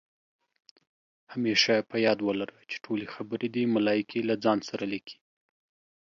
همېشه په یاد ولره، چې ټولې خبرې دې ملائکې له ځان سره لیکي